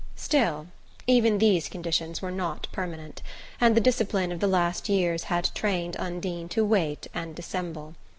Still, even these conditions were not permanent, and the discipline of the last years had trained Undine to wait and dissemble.